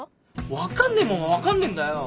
分かんねえもんは分かんねえんだよ。